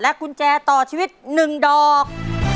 กุญแจต่อชีวิต๑ดอก